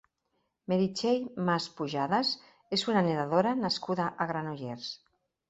Meritxell Mas Pujadas és una nedadora nascuda a Granollers.